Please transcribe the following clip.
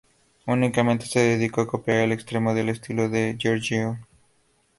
Únicamente se dedicó a copiar al extremo el estilo de Giorgione.